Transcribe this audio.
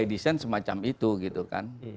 ya by design semacam itu gitu kan